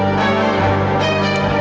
ndra kamu udah nangis